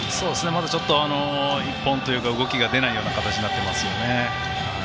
まだちょっと１本というか動きが出ない展開になってますね。